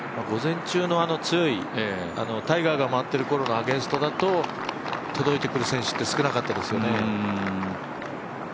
午前中に強い、タイガーが回っているころのアゲンストだと届いてくる選手って少なかったですよね。